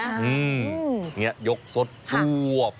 อย่างนี้ก็ยกซสสวบ